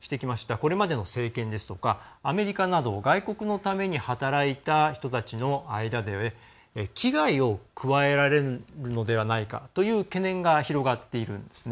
これまでの政権やアメリカなど外国のために働いた人たちの間で危害を加えられるのではないかという懸念が広がっているんです。